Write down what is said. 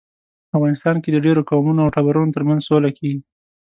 افغانستان کې د ډیرو قومونو او ټبرونو ترمنځ سوله کیږي